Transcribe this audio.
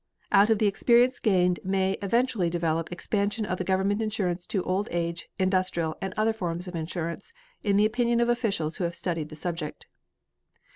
Out of the experience gained may eventually develop expansion of government insurance to old age, industrial and other forms of insurance, in the opinion of officials who have studied the subject.